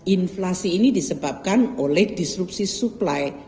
inflasi ini disebabkan oleh disrupsi supply